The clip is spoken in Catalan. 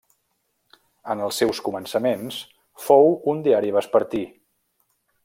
En els seus començaments fou un diari vespertí.